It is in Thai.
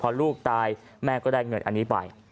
พอลูกตายแม่ก็ได้เงินอันนี้ไป